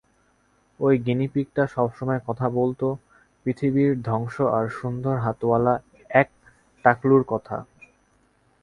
ওই গিনিপিগটা সবসময় কথা বলত পৃথিবীর ধ্বংস আর সুন্দর হাতওয়ালা এক টাকলুর কথা।